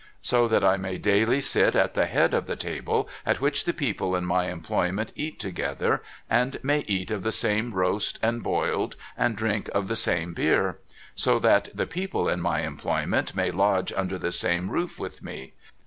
So that I may daily sit at the head of the table at which the people in my employment eat together, and may eat of the same roast and boiled, and drink of the same beer ! So that the people in my employment may lodge under the same roof with me